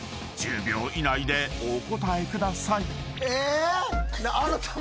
［１０秒以内でお答えください］え